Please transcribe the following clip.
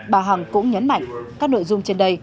bà hằng cũng nhấn mạnh các nội dung trên đây